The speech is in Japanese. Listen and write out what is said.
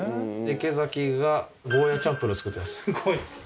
池崎がゴーヤチャンプルーを作ってます。